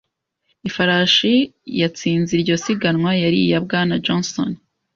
Ifarashi yatsinze iryo siganwa yari iya Bwana Johnson